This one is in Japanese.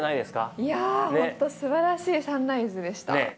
いや本当すばらしいサンライズでした。